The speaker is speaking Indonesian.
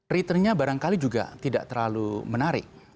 returnnya barangkali juga tidak terlalu menarik